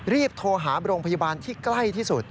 รีบโทรหาโรงพยาบาลที่ใกล้ที่สุด